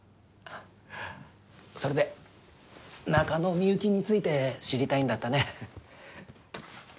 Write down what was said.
それで中野幸について知りたいんだったね。